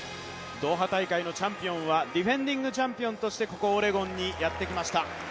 ドーハ大会のチャンピオンはディフェンディングチャンピオンとしてここ、オレゴンにやってきました。